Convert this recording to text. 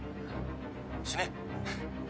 死ね！